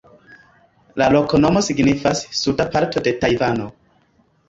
La loknomo signifas: "suda parto de Tajvano".